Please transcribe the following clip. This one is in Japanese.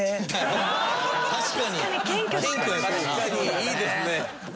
いいですね。